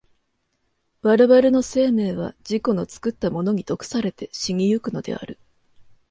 我々の生命は自己の作ったものに毒せられて死に行くのである。